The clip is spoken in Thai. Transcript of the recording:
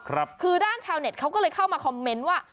คือด้านชาวเน็ตเขาก็เลยเข้ามาคอมเมนต์ว่า